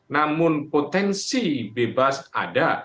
namun potensi bebas ada